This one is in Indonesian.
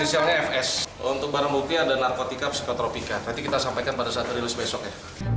inisialnya fs untuk barang bukti ada narkotika psikotropika nanti kita sampaikan pada saat rilis besok ya